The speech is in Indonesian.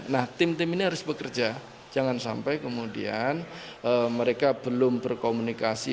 nah tim tim ini harus bekerja jangan sampai kemudian mereka belum berkomunikasi